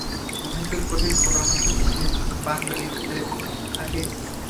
মহেন্দ্র কহিল, পরামর্শ কিছুই না, পান লইতে আসিয়াছি।